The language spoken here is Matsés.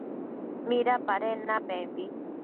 ¿Midapaden napembi?